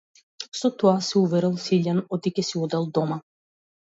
Со тоа се уверил Силјан оти ќе си одел дома.